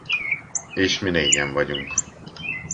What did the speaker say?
És mi négyen vagyunk.